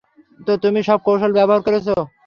তো, তুমি সব কৌশল ব্যবহার করেছ।